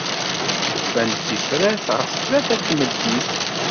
Ufan-d tifrat ɣef tlata n tmeddit